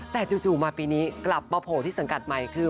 แต่จู่มาปีนี้กลับมาโผล่ที่สังกัดใหม่คือ